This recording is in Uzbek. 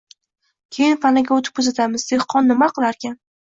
Keyin panaga oʻtib kuzatamiz, dehqon nima qilarkan